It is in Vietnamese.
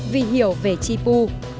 vì hiểu về chi pu